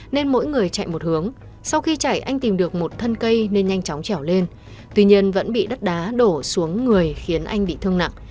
nên mỗi người chạy một hướng sau khi chảy anh tìm được một thân cây nên nhanh chóng trèo lên tuy nhiên vẫn bị đất đá đổ xuống người khiến anh bị thương nặng